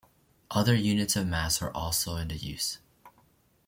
Other units of mass are also in use.